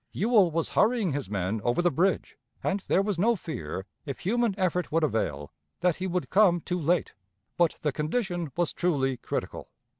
Ewell was hurrying his men over the bridge, and there was no fear, if human effort would avail, that he would come too late. But the condition was truly critical.